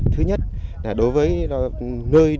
thứ nhất là đối với nơi